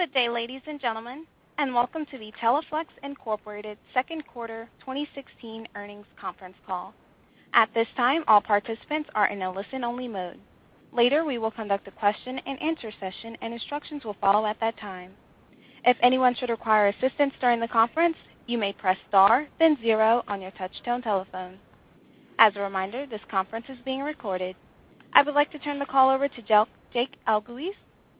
Good day, ladies and gentlemen. Welcome to the Teleflex Incorporated Second Quarter 2016 Earnings Conference Call. At this time, all participants are in a listen-only mode. Later, we will conduct a question and answer session. Instructions will follow at that time. If anyone should require assistance during the conference, you may press star then zero on your touchtone telephone. As a reminder, this conference is being recorded. I would like to turn the call over to Jake Elguicze,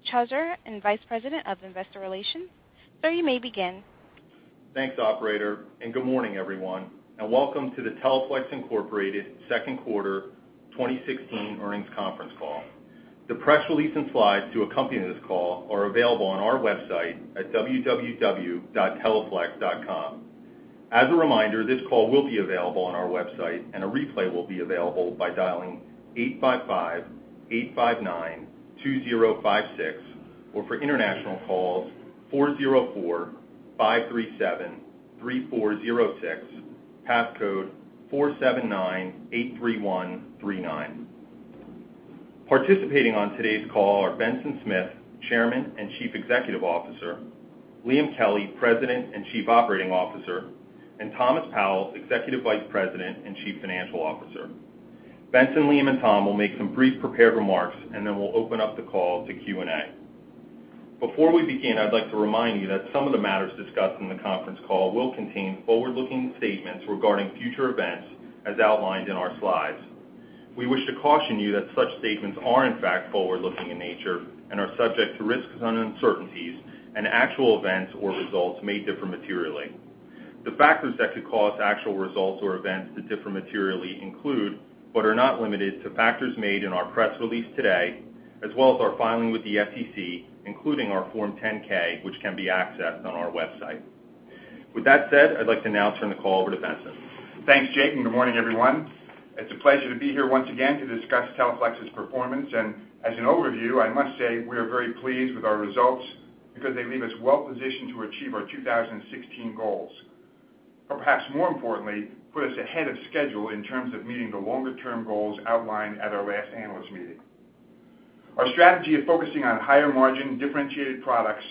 Treasurer and Vice President of Investor Relations. Sir, you may begin. Thanks, operator. Good morning, everyone. Welcome to the Teleflex Incorporated Second Quarter 2016 Earnings Conference Call. The press release and slides to accompany this call are available on our website at www.teleflex.com. As a reminder, this call will be available on our website. A replay will be available by dialing 855-859-2056, or for international calls, 404-537-3406, pass code 47983139. Participating on today's call are Benson Smith, Chairman and Chief Executive Officer, Liam Kelly, President and Chief Operating Officer, and Thomas Powell, Executive Vice President and Chief Financial Officer. Benson, Liam, and Tom will make some brief prepared remarks. Then we'll open up the call to Q&A. Before we begin, I'd like to remind you that some of the matters discussed in the conference call will contain forward-looking statements regarding future events, as outlined in our slides. We wish to caution you that such statements are in fact forward-looking in nature and are subject to risks and uncertainties. Actual events or results may differ materially. The factors that could cause actual results or events to differ materially include, but are not limited to, factors made in our press release today, as well as our filing with the SEC, including our Form 10-K, which can be accessed on our website. With that said, I'd like to now turn the call over to Benson. Thanks, Jake. Good morning, everyone. It's a pleasure to be here once again to discuss Teleflex's performance. As an overview, I must say, we are very pleased with our results because they leave us well positioned to achieve our 2016 goals. Perhaps more importantly, put us ahead of schedule in terms of meeting the longer-term goals outlined at our last analyst meeting. Our strategy of focusing on higher margin, differentiated products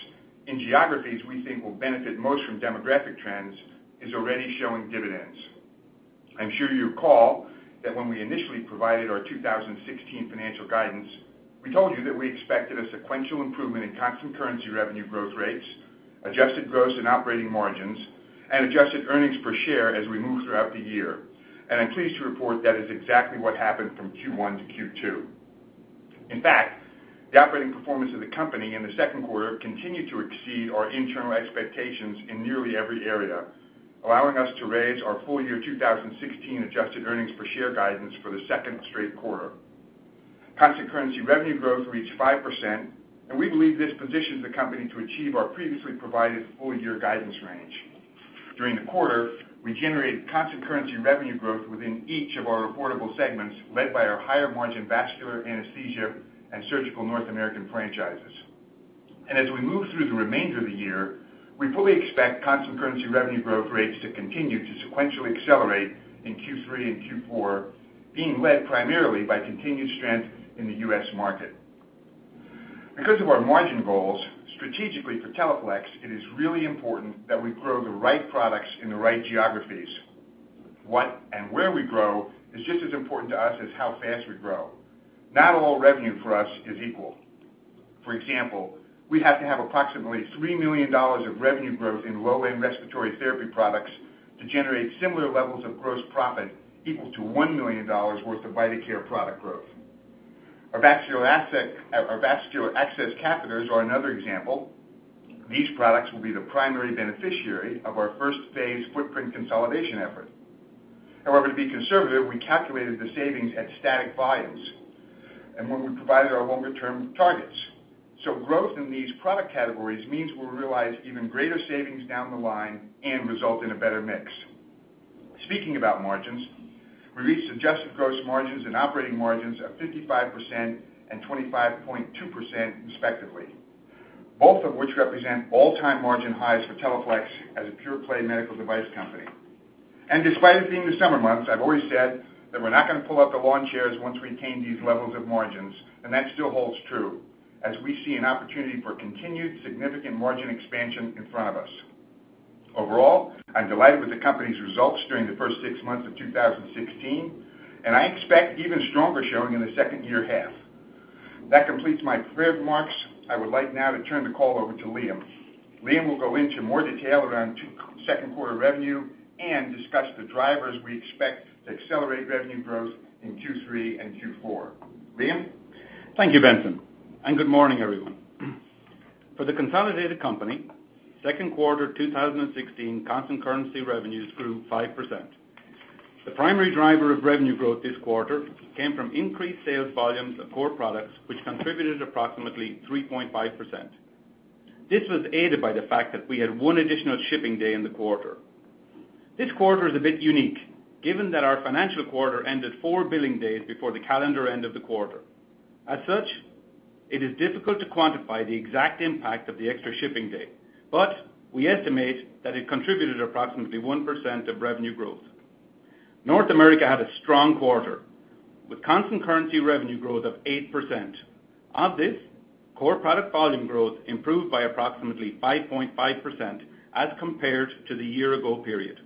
in geographies we think will benefit most from demographic trends is already showing dividends. I'm sure you recall that when we initially provided our 2016 financial guidance, we told you that we expected a sequential improvement in constant currency revenue growth rates, adjusted gross and operating margins, and adjusted earnings per share as we move throughout the year. I'm pleased to report that is exactly what happened from Q1 to Q2. In fact, the operating performance of the company in the second quarter continued to exceed our internal expectations in nearly every area, allowing us to raise our full year 2016 adjusted EPS guidance for the second straight quarter. Constant currency revenue growth reached 5%. We believe this positions the company to achieve our previously provided full year guidance range. During the quarter, we generated constant currency revenue growth within each of our reportable segments, led by our higher margin vascular, anesthesia, and surgical North American franchises. As we move through the remainder of the year, we fully expect constant currency revenue growth rates to continue to sequentially accelerate in Q3 and Q4, being led primarily by continued strength in the U.S. market. Because of our margin goals, strategically for Teleflex, it is really important that we grow the right products in the right geographies. What and where we grow is just as important to us as how fast we grow. Not all revenue for us is equal. For example, we have to have approximately $3 million of revenue growth in low-end respiratory therapy products to generate similar levels of gross profit equal to $1 million worth of Vidacare product growth. Our vascular access catheters are another example. These products will be the primary beneficiary of our first phase footprint consolidation effort. However, to be conservative, we calculated the savings at static volumes and when we provided our longer-term targets. So growth in these product categories means we will realize even greater savings down the line and result in a better mix. Speaking about margins, we reached adjusted gross margins and operating margins of 55% and 25.2%, respectively. Both of which represent all-time margin highs for Teleflex as a pure-play medical device company. Despite it being the summer months, I've always said that we're not going to pull out the lawn chairs once we attain these levels of margins, and that still holds true as we see an opportunity for continued significant margin expansion in front of us. Overall, I'm delighted with the company's results during the first six months of 2016, and I expect even stronger showing in the second year half. That completes my prepared remarks. I would like now to turn the call over to Liam. Liam will go into more detail around second quarter revenue and discuss the drivers we expect to accelerate revenue growth in Q3 and Q4. Liam? Thank you, Benson, and good morning, everyone. For the consolidated company, second quarter 2016 constant currency revenues grew 5%. The primary driver of revenue growth this quarter came from increased sales volumes of core products, which contributed approximately 3.5%. This was aided by the fact that we had one additional shipping day in the quarter. This quarter is a bit unique given that our financial quarter ended four billing days before the calendar end of the quarter. As such, it is difficult to quantify the exact impact of the extra shipping day, but we estimate that it contributed approximately 1% of revenue growth. North America had a strong quarter, with constant currency revenue growth of 8%. Of this, core product volume growth improved by approximately 5.5% as compared to the year-ago period.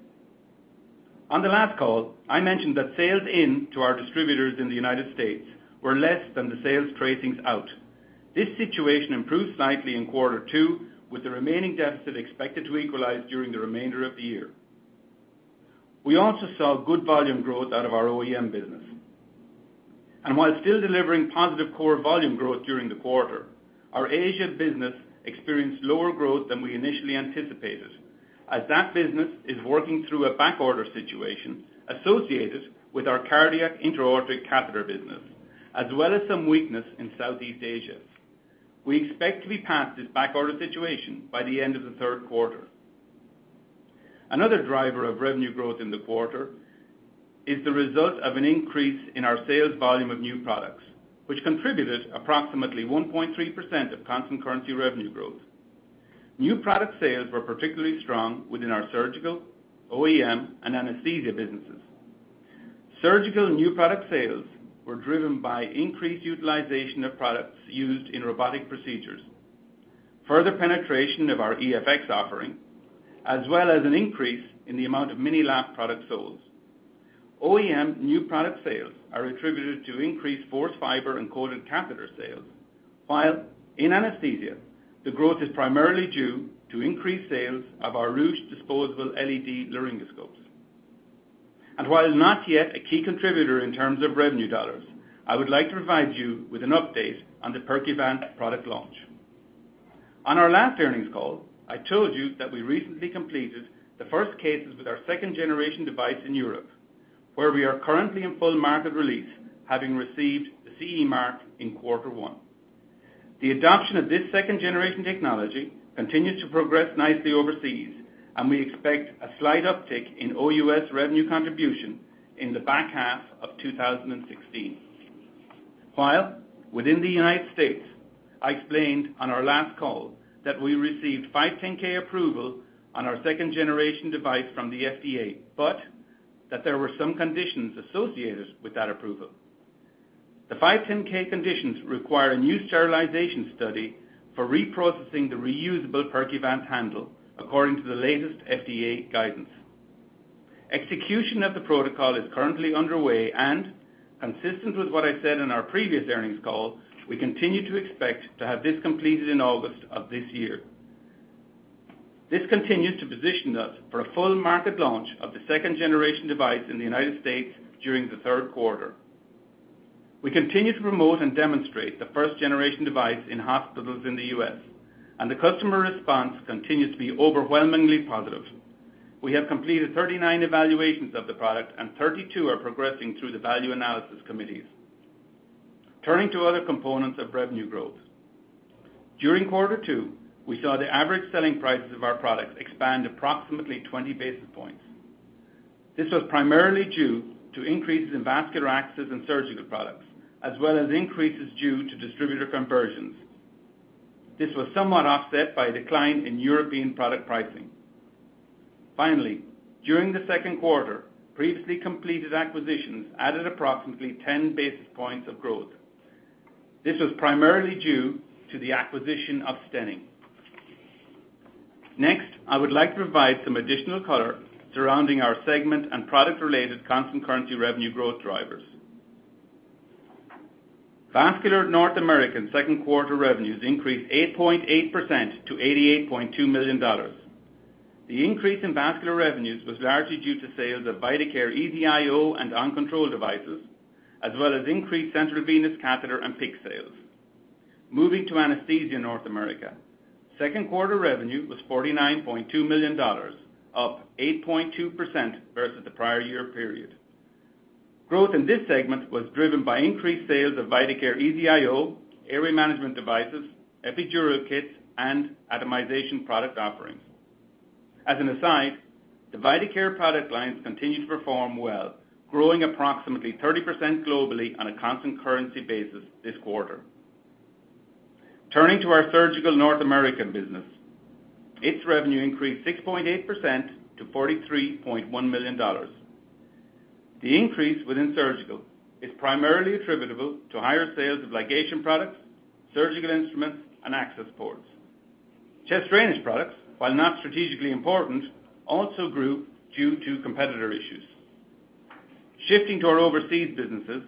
On the last call, I mentioned that sales in to our distributors in the U.S. were less than the sales tracings out. This situation improved slightly in quarter two, with the remaining deficit expected to equalize during the remainder of the year. We also saw good volume growth out of our OEM business. While still delivering positive core volume growth during the quarter, our Asia business experienced lower growth than we initially anticipated, as that business is working through a back-order situation associated with our cardiac intra-aortic catheter business, as well as some weakness in Southeast Asia. We expect to be past this back-order situation by the end of the third quarter. Another driver of revenue growth in the quarter is the result of an increase in our sales volume of new products, which contributed approximately 1.3% of constant currency revenue growth. New product sales were particularly strong within our surgical, OEM, and anesthesia businesses. Surgical new product sales were driven by increased utilization of products used in robotic procedures. Further penetration of our EFx offering, as well as an increase in the amount of MiniLap products sold. OEM new product sales are attributed to increased Force Fiber and coated catheter sales. While in anesthesia, the growth is primarily due to increased sales of our Rüsch disposable LED laryngoscopes. While not yet a key contributor in terms of revenue dollars, I would like to provide you with an update on the Percuvance product launch. On our last earnings call, I told you that we recently completed the first cases with our second-generation device in Europe, where we are currently in full market release, having received the CE mark in quarter one. The adoption of this second-generation technology continues to progress nicely overseas. We expect a slight uptick in OUS revenue contribution in the back half of 2016. While within the U.S., I explained on our last call that we received 510(k) approval on our second-generation device from the FDA, but that there were some conditions associated with that approval. The 510(k) conditions require a new sterilization study for reprocessing the reusable Percuvance handle, according to the latest FDA guidance. Execution of the protocol is currently underway. Consistent with what I said in our previous earnings call, we continue to expect to have this completed in August of this year. This continues to position us for a full market launch of the second-generation device in the U.S. during the third quarter. We continue to promote and demonstrate the first-generation device in hospitals in the U.S. The customer response continues to be overwhelmingly positive. We have completed 39 evaluations of the product and 32 are progressing through the value analysis committees. Turning to other components of revenue growth. During quarter two, we saw the average selling prices of our products expand approximately 20 basis points. This was primarily due to increases in vascular access and surgical products, as well as increases due to distributor conversions. This was somewhat offset by a decline in European product pricing. Finally, during the second quarter, previously completed acquisitions added approximately 10 basis points of growth. This was primarily due to the acquisition of Stenning. Next, I would like to provide some additional color surrounding our segment and product-related constant currency revenue growth drivers. Vascular North American second-quarter revenues increased 8.8% to $88.2 million. The increase in vascular revenues was largely due to sales of Vidacare EZ-IO and OnControl devices, as well as increased central venous catheter and PICC sales. Moving to anesthesia in North America, second quarter revenue was $49.2 million, up 8.2% versus the prior year period. Growth in this segment was driven by increased sales of Vidacare EZ-IO, airway management devices, epidural kits, and atomization product offerings. As an aside, the Vidacare product lines continue to perform well, growing approximately 30% globally on a constant currency basis this quarter. Turning to our surgical North American business. Its revenue increased 6.8% to $43.1 million. The increase within surgical is primarily attributable to higher sales of ligation products, surgical instruments, and access ports. Chest drainage products, while not strategically important, also grew due to competitor issues. Shifting to our overseas businesses,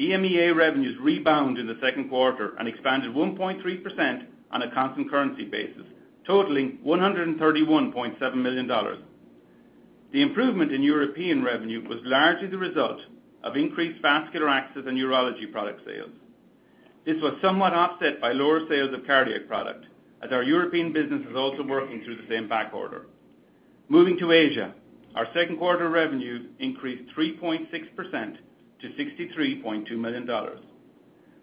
EMEA revenues rebound in the second quarter and expanded 1.3% on a constant currency basis, totaling $131.7 million. The improvement in European revenue was largely the result of increased vascular access and urology product sales. This was somewhat offset by lower sales of cardiac product, as our European business is also working through the same backorder. Moving to Asia, our second quarter revenues increased 3.6% to $63.2 million.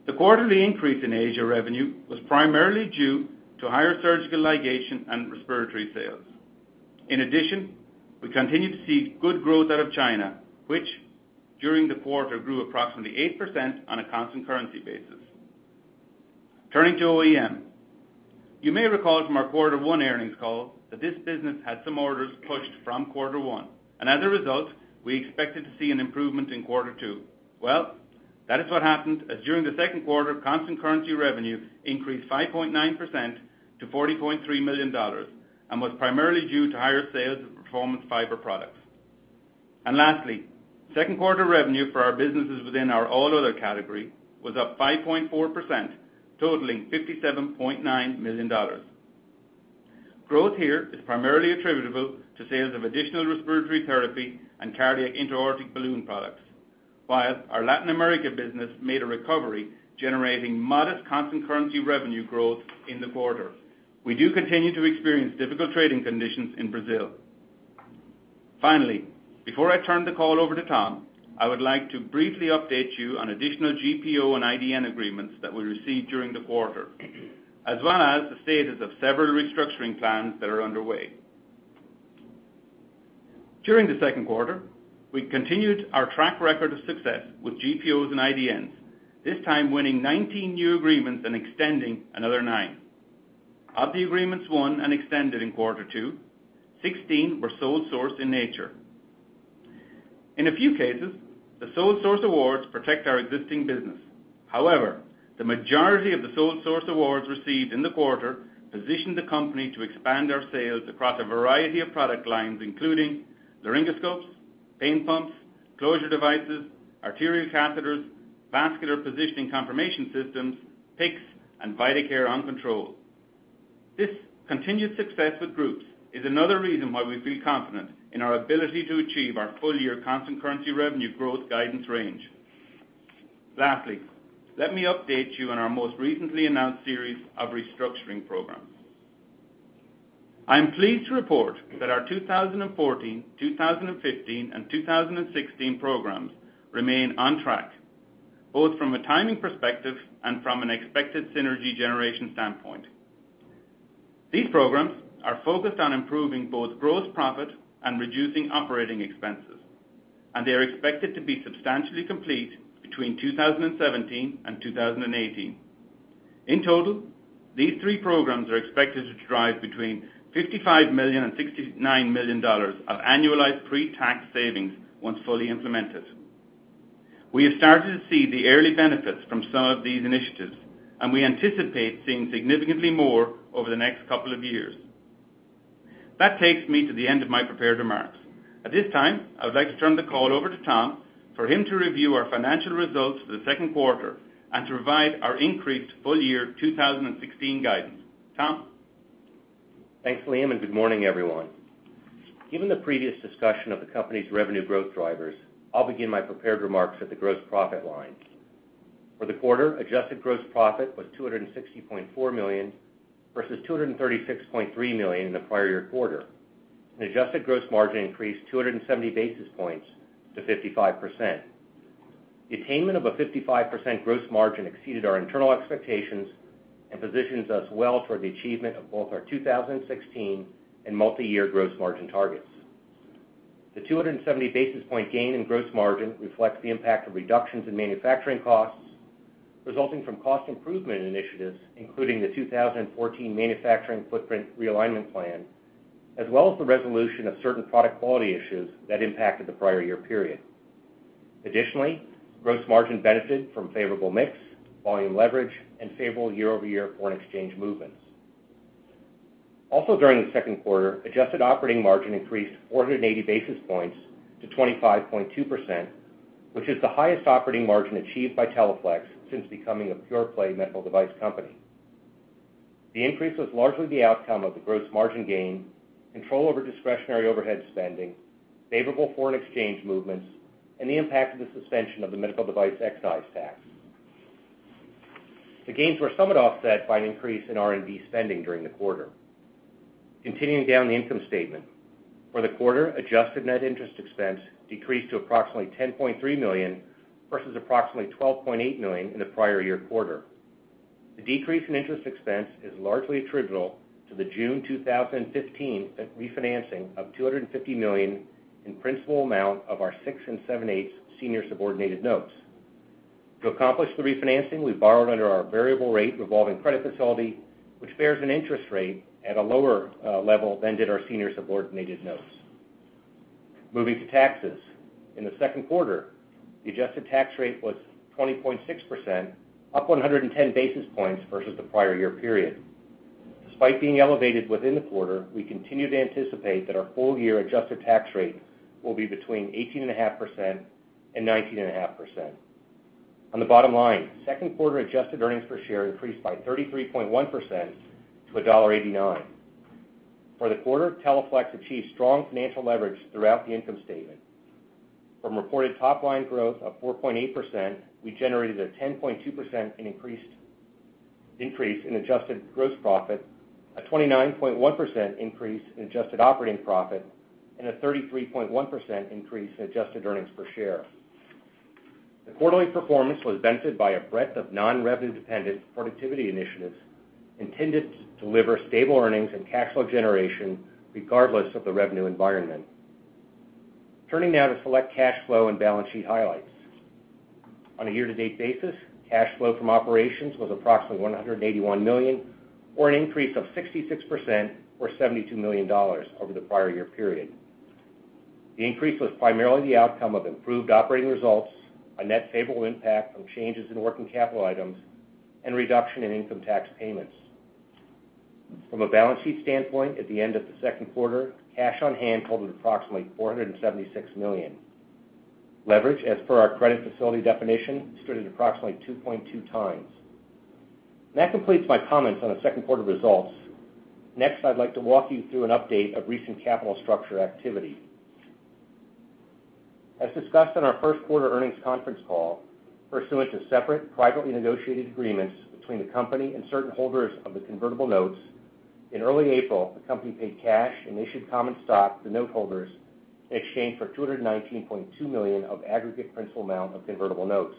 The quarterly increase in Asia revenue was primarily due to higher surgical ligation and respiratory sales. In addition, we continue to see good growth out of China, which during the quarter grew approximately 8% on a constant currency basis. Turning to OEM. You may recall from our quarter one earnings call that this business had some orders pushed from quarter one, and as a result, we expected to see an improvement in quarter two. Well, that is what happened, as during the second quarter, constant currency revenue increased 5.9% to $40.3 million and was primarily due to higher sales of performance fiber products. And lastly, second quarter revenue for our businesses within our all other category was up 5.4%, totaling $57.9 million. Growth here is primarily attributable to sales of additional respiratory therapy and cardiac intra-aortic balloon products. While our Latin America business made a recovery, generating modest constant currency revenue growth in the quarter. We do continue to experience difficult trading conditions in Brazil. Finally, before I turn the call over to Tom, I would like to briefly update you on additional GPO and IDN agreements that we received during the quarter, as well as the status of several restructuring plans that are underway. During the second quarter, we continued our track record of success with GPOs and IDNs, this time winning 19 new agreements and extending another 9. Of the agreements won and extended in quarter two, 16 were sole sourced in nature. In a few cases, the sole source awards protect our existing business. However, the majority of the sole source awards received in the quarter positioned the company to expand our sales across a variety of product lines, including laryngoscopes, pain pumps, closure devices, arterial catheters, vascular positioning confirmation systems, PICCs, and Vidacare OnControl. This continued success with groups is another reason why we feel confident in our ability to achieve our full-year constant currency revenue growth guidance range. Lastly, let me update you on our most recently announced series of restructuring programs. I am pleased to report that our 2014, 2015, and 2016 programs remain on track, both from a timing perspective and from an expected synergy generation standpoint. These programs are focused on improving both gross profit and reducing operating expenses, and they are expected to be substantially complete between 2017 and 2018. In total, these three programs are expected to drive between $55 million and $69 million of annualized pre-tax savings once fully implemented. We have started to see the early benefits from some of these initiatives, and we anticipate seeing significantly more over the next couple of years. That takes me to the end of my prepared remarks. At this time, I would like to turn the call over to Tom for him to review our financial results for the second quarter and to provide our increased full year 2016 guidance. Tom? Thanks, Liam, and good morning, everyone. Given the previous discussion of the company's revenue growth drivers, I will begin my prepared remarks at the gross profit line. For the quarter, adjusted gross profit was $260.4 million, versus $236.3 million in the prior year quarter. The adjusted gross margin increased 270 basis points to 55%. The attainment of a 55% gross margin exceeded our internal expectations and positions us well for the achievement of both our 2016 and multi-year gross margin targets. The 270 basis point gain in gross margin reflects the impact of reductions in manufacturing costs, resulting from cost improvement initiatives, including the 2014 Manufacturing Footprint Realignment Plan, as well as the resolution of certain product quality issues that impacted the prior year period. Additionally, gross margin benefited from favorable mix, volume leverage, and favorable year-over-year foreign exchange movements. Also during the second quarter, adjusted operating margin increased 480 basis points to 25.2%, which is the highest operating margin achieved by Teleflex since becoming a pure-play medical device company. The increase was largely the outcome of the gross margin gain, control over discretionary overhead spending, favorable foreign exchange movements, and the impact of the suspension of the medical device excise tax. The gains were somewhat offset by an increase in R&D spending during the quarter. Continuing down the income statement. For the quarter, adjusted net interest expense decreased to approximately $10.3 million, versus approximately $12.8 million in the prior year quarter. The decrease in interest expense is largely attributable to the June 2015 refinancing of $250 million in principal amount of our 6 7/8s senior subordinated notes. To accomplish the refinancing, we borrowed under our variable rate revolving credit facility, which bears an interest rate at a lower level than did our senior subordinated notes. Moving to taxes. In the second quarter, the adjusted tax rate was 20.6%, up 110 basis points versus the prior year period. Despite being elevated within the quarter, we continue to anticipate that our full year adjusted tax rate will be between 18.5% and 19.5%. On the bottom line, second quarter adjusted earnings per share increased by 33.1% to $1.89. For the quarter, Teleflex achieved strong financial leverage throughout the income statement. From reported top-line growth of 4.8%, we generated a 10.2% increase in adjusted gross profit, a 29.1% increase in adjusted operating profit, and a 33.1% increase in adjusted earnings per share. The quarterly performance was bolstered by a breadth of non-revenue-dependent productivity initiatives intended to deliver stable earnings and cash flow generation regardless of the revenue environment. Turning now to select cash flow and balance sheet highlights. On a year-to-date basis, cash flow from operations was approximately $181 million, or an increase of 66%, or $72 million over the prior year period. The increase was primarily the outcome of improved operating results, a net favorable impact from changes in working capital items, and a reduction in income tax payments. From a balance sheet standpoint, at the end of the second quarter, cash on hand totaled approximately $476 million. Leverage, as per our credit facility definition, stood at approximately 2.2 times. That completes my comments on the second quarter results. I'd like to walk you through an update of recent capital structure activity. As discussed on our first quarter earnings conference call, pursuant to separate privately negotiated agreements between the company and certain holders of the convertible notes, in early April, the company paid cash and issued common stock to note holders in exchange for $219.2 million of aggregate principal amount of convertible notes.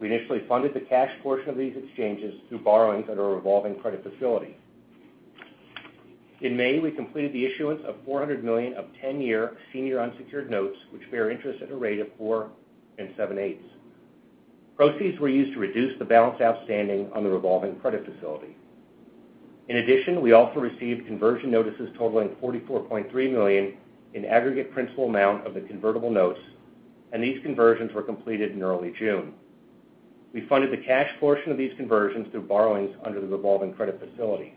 We initially funded the cash portion of these exchanges through borrowings under our revolving credit facility. In May, we completed the issuance of $400 million of 10-year senior unsecured notes, which bear interest at a rate of 4 and seven-eighths. Proceeds were used to reduce the balance outstanding on the revolving credit facility. We also received conversion notices totaling $44.3 million in aggregate principal amount of the convertible notes, and these conversions were completed in early June. We funded the cash portion of these conversions through borrowings under the revolving credit facility.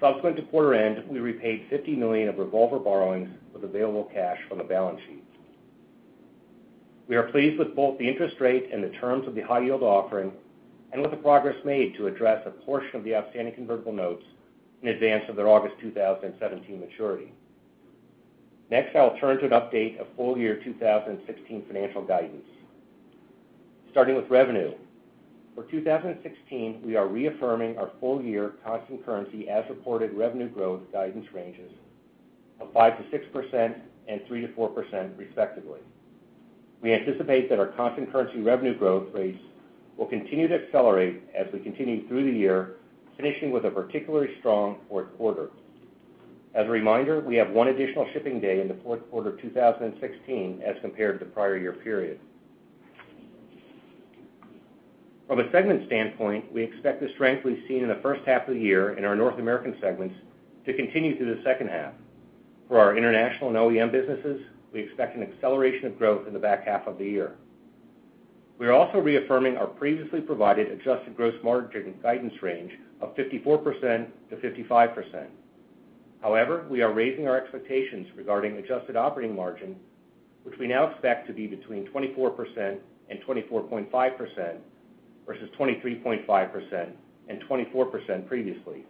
Subsequent to quarter end, we repaid $50 million of revolver borrowings with available cash on the balance sheet. We are pleased with both the interest rate and the terms of the high-yield offering and with the progress made to address a portion of the outstanding convertible notes in advance of their August 2017 maturity. I'll turn to an update of full-year 2016 financial guidance. Starting with revenue. For 2016, we are reaffirming our full-year constant currency as-reported revenue growth guidance ranges of 5%-6% and 3%-4%, respectively. We anticipate that our constant currency revenue growth rates will continue to accelerate as we continue through the year, finishing with a particularly strong fourth quarter. As a reminder, we have one additional shipping day in the fourth quarter of 2016 as compared to prior year period. From a segment standpoint, we expect the strength we've seen in the first half of the year in our North American segments to continue through the second half. For our international and OEM businesses, we expect an acceleration of growth in the back half of the year. We are also reaffirming our previously provided adjusted gross margin guidance range of 54%-55%. We are raising our expectations regarding adjusted operating margin, which we now expect to be between 24% and 24.5%, versus 23.5% and 24% previously.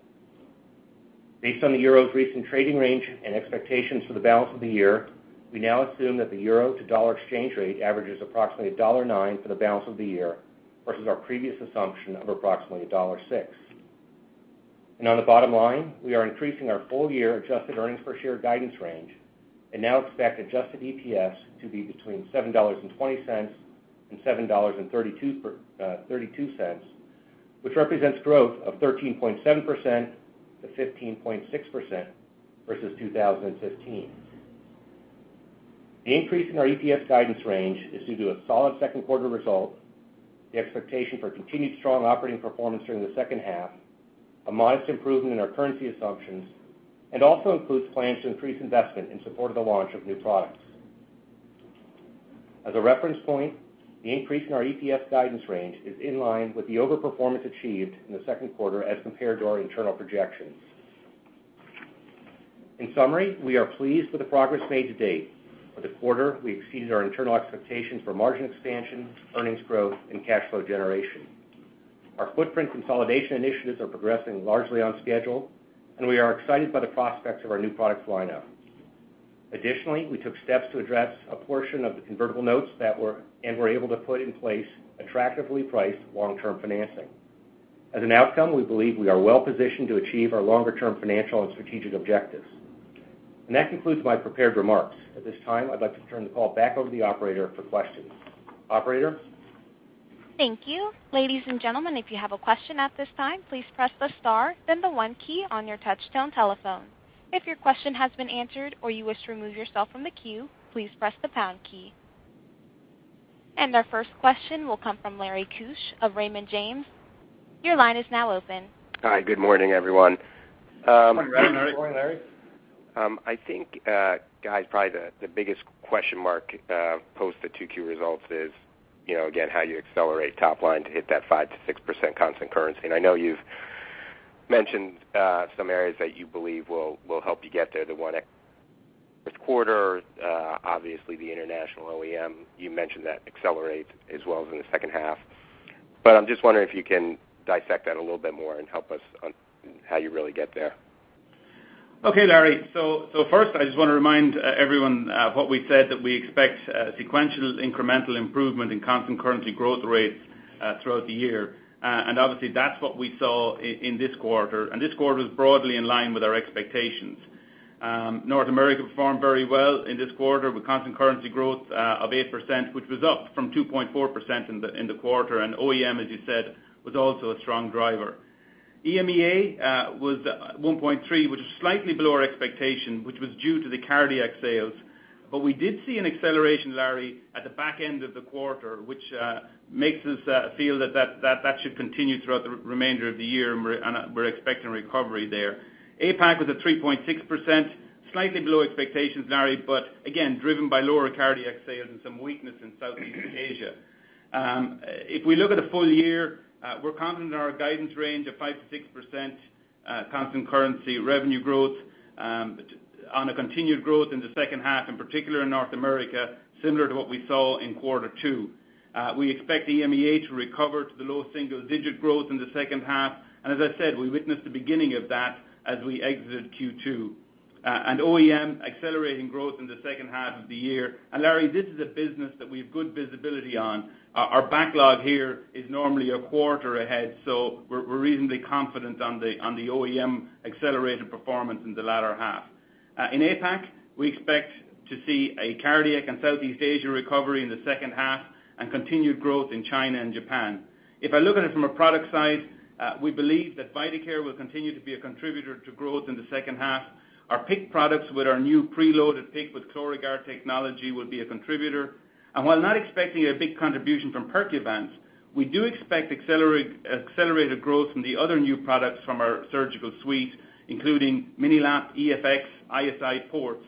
Based on the EUR's recent trading range and expectations for the balance of the year, we now assume that the EUR to dollar exchange rate averages approximately $1.09 for the balance of the year, versus our previous assumption of approximately $1.06. On the bottom line, we are increasing our full-year adjusted EPS guidance range and now expect adjusted EPS to be between $7.20 and $7.32, which represents growth of 13.7% to 15.6% versus 2015. The increase in our EPS guidance range is due to a solid second quarter result, the expectation for continued strong operating performance during the second half, a modest improvement in our currency assumptions, and also includes plans to increase investment in support of the launch of new products. As a reference point, the increase in our EPS guidance range is in line with the overperformance achieved in the second quarter as compared to our internal projections. In summary, we are pleased with the progress made to date. For the quarter, we exceeded our internal expectations for margin expansion, earnings growth, and cash flow generation. Our footprint consolidation initiatives are progressing largely on schedule, we are excited by the prospects of our new product lineup. Additionally, we took steps to address a portion of the convertible notes and were able to put in place attractively priced long-term financing. As an outcome, we believe we are well-positioned to achieve our longer-term financial and strategic objectives. That concludes my prepared remarks. At this time, I'd like to turn the call back over to the operator for questions. Operator? Thank you. Ladies and gentlemen, if you have a question at this time, please press the star, then the one key on your touchtone telephone. If your question has been answered or you wish to remove yourself from the queue, please press the pound key. Our first question will come from Lawrence Keusch of Raymond James. Your line is now open. Hi. Good morning, everyone. Good morning, Larry. I think, guys, probably the biggest question mark post the 2Q results is, again, how you accelerate top line to hit that 5%-6% constant currency. I know you've mentioned some areas that you believe will help you get there. The one quarter, obviously the international OEM, you mentioned that accelerate as well as in the second half. I'm just wondering if you can dissect that a little bit more and help us on how you really get there. Okay, Larry. First, I just want to remind everyone what we said, that we expect sequential incremental improvement in constant currency growth rates throughout the year. Obviously, that's what we saw in this quarter, and this quarter is broadly in line with our expectations. North America performed very well in this quarter with constant currency growth of 8%, which was up from 2.4% in the quarter. OEM, as you said, was also a strong driver. EMEA was 1.3%, which is slightly below our expectation, which was due to the cardiac sales. We did see an acceleration, Larry, at the back end of the quarter, which makes us feel that that should continue throughout the remainder of the year, and we're expecting recovery there. APAC was at 3.6%, slightly below expectations, Larry, but again, driven by lower cardiac sales and some weakness in Southeast Asia. If we look at a full year, we're confident in our guidance range of 5%-6% constant currency revenue growth on a continued growth in the second half, in particular in North America, similar to what we saw in quarter two. We expect EMEA to recover to the low single-digit growth in the second half. As I said, we witnessed the beginning of that as we exited Q2. OEM accelerating growth in the second half of the year. Larry, this is a business that we have good visibility on. Our backlog here is normally a quarter ahead, so we're reasonably confident on the OEM accelerated performance in the latter half. In APAC, we expect to see a cardiac and Southeast Asia recovery in the second half, and continued growth in China and Japan. If I look at it from a product side, we believe that Vidacare will continue to be a contributor to growth in the second half. Our PICC products with our new preloaded PICC with Chlorag+ard technology will be a contributor. While not expecting a big contribution from Percuvance, we do expect accelerated growth from the other new products from our surgical suite, including MiniLap, EFx, ISI ports.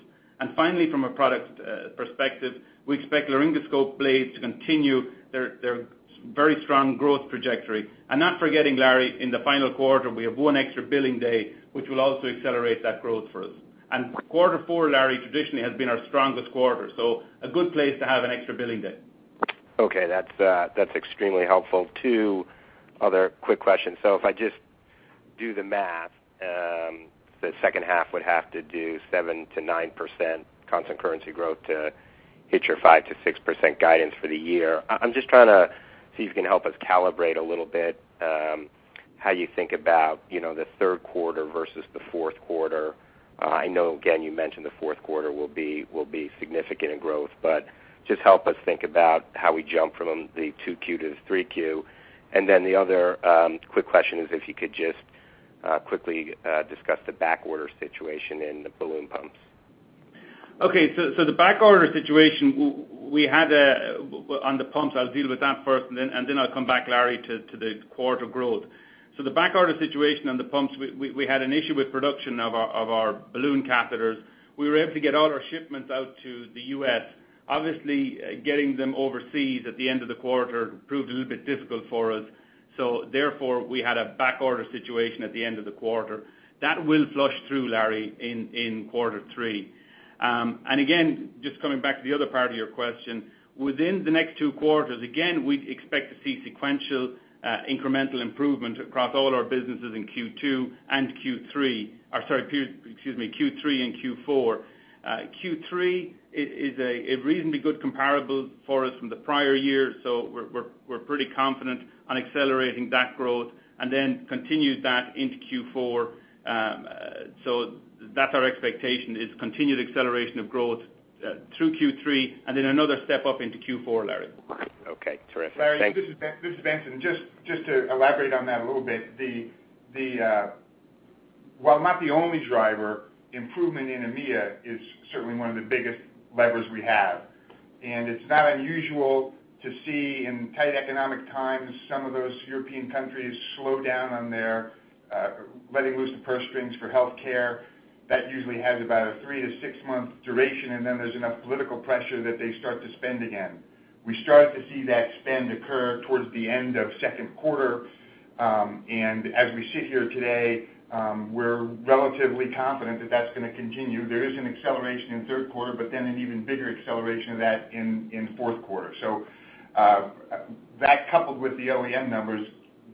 Finally, from a product perspective, we expect laryngoscope blades to continue their very strong growth trajectory. Not forgetting, Larry, in the final quarter, we have one extra billing day, which will also accelerate that growth for us. Quarter four, Larry, traditionally has been our strongest quarter, so a good place to have an extra billing day. Okay. That's extremely helpful. Two other quick questions. If I just do the math, the second half would have to do 7%-9% constant currency growth to hit your 5%-6% guidance for the year. I'm just trying to see if you can help us calibrate a little bit, how you think about the third quarter versus the fourth quarter. I know, again, you mentioned the fourth quarter will be significant in growth, but just help us think about how we jump from the two Q to the three Q. Then the other quick question is if you could just quickly discuss the backorder situation in the balloon pumps. Okay. The backorder situation on the pumps, I'll deal with that first and then I'll come back, Larry, to the quarter growth. The backorder situation on the pumps, we had an issue with production of our balloon catheters. We were able to get all our shipments out to the U.S. Obviously, getting them overseas at the end of the quarter proved a little bit difficult for us. Therefore, we had a backorder situation at the end of the quarter. That will flush through, Larry, in quarter three. Again, just coming back to the other part of your question, within the next two quarters, again, we'd expect to see sequential incremental improvement across all our businesses in Q2 and Q3. Or, sorry, excuse me, Q3 and Q4. Q3 is a reasonably good comparable for us from the prior year, we're pretty confident on accelerating that growth and then continue that into Q4. That's our expectation is continued acceleration of growth through Q3 and then another step up into Q4, Larry. Okay. Terrific. Thanks. Lawrence, this is Benson. Just to elaborate on that a little bit. While not the only driver, improvement in EMEA is certainly one of the biggest levers we have. It's not unusual to see in tight economic times, some of those European countries slow down on their letting loose the purse strings for healthcare. That usually has about a three to six-month duration, and then there's enough political pressure that they start to spend again. We started to see that spend occur towards the end of second quarter. As we sit here today, we're relatively confident that that's going to continue. There is an acceleration in third quarter, but then an even bigger acceleration of that in fourth quarter. That coupled with the OEM numbers,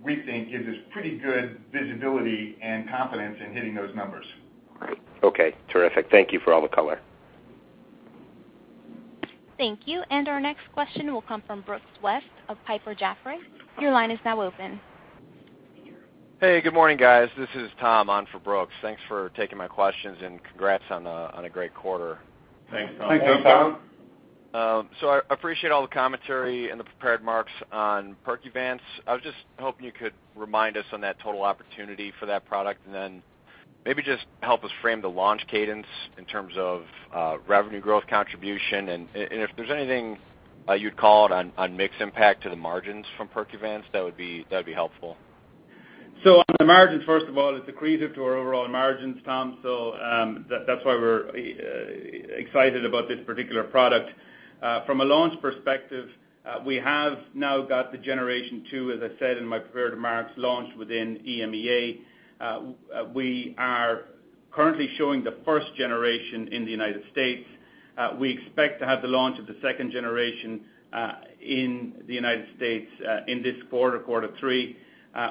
we think gives us pretty good visibility and confidence in hitting those numbers. Okay. Terrific. Thank you for all the color. Thank you. Our next question will come from Brooks West of Piper Jaffray. Your line is now open. Hey, good morning, guys. This is Tom on for Brooks. Thanks for taking my questions and congrats on a great quarter. Thanks, Tom. Thanks, Tom. I appreciate all the commentary and the prepared marks on Percuvance. I was just hoping you could remind us on that total opportunity for that product, and then maybe just help us frame the launch cadence in terms of revenue growth contribution. If there's anything you'd call out on mix impact to the margins from Percuvance, that would be helpful. On the margins, first of all, it's accretive to our overall margins, Tom, that's why we're excited about this particular product. From a launch perspective, we have now got the generation two, as I said in my prepared remarks, launched within EMEA. We are currently showing the first generation in the U.S. We expect to have the launch of the second generation in the U.S. in this quarter 3.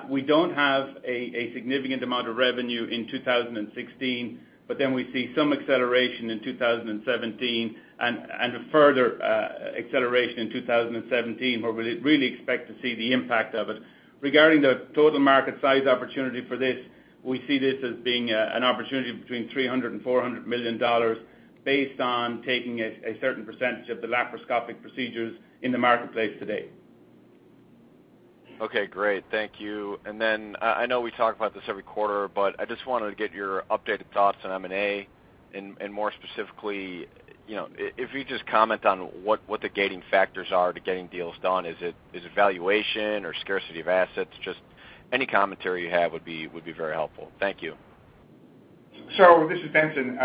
We don't have a significant amount of revenue in 2016. We see some acceleration in 2017 and a further acceleration in 2017, where we really expect to see the impact of it. Regarding the total market size opportunity for this We see this as being an opportunity between $300 million and $400 million based on taking a certain percentage of the laparoscopic procedures in the marketplace today. Okay, great. Thank you. I know we talk about this every quarter, but I just wanted to get your updated thoughts on M&A and more specifically, if you just comment on what the gating factors are to getting deals done. Is it valuation or scarcity of assets? Just any commentary you have would be very helpful. Thank you. This is Benson.